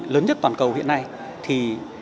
lớn nhất toàn cầu hiện nay thì